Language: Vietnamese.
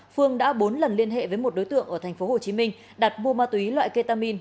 phương đã bốn lần liên hệ với một đối tượng ở thành phố hồ chí minh đặt mua ma túy loại ketamine